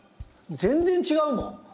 全然違うもん！